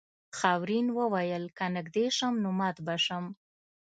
خاورین وویل که نږدې شم نو مات به شم.